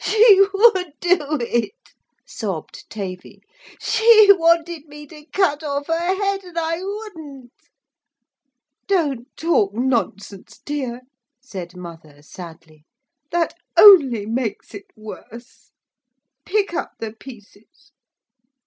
'She would do it,' sobbed Tavy. 'She wanted me to cut off her head'n I wouldn't.' 'Don't talk nonsense, dear,' said mother sadly. 'That only makes it worse. Pick up the pieces.'